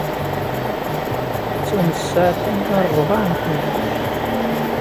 Attan d ssaɛtin ɣir rrbeɛ n tmeddit.